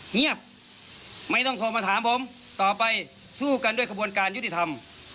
เงียบไม่ต้องโทรมาถามผมต่อไปสู้กันด้วยขบวนการยุติธรรม